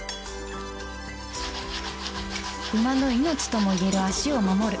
馬の命ともいえる足を守る